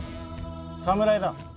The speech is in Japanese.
侍だ。